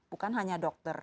bukan hanya dokter